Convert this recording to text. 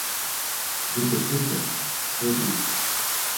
J'étais très sotte, très rouge.